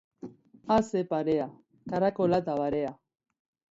A ze parea, karakola ta barea!